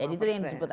jadi itu yang disebut